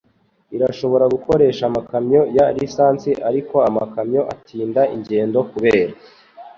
Irashobora gukoresha amakamyo ya lisansi ariko amakamyo atinda ingendo kubera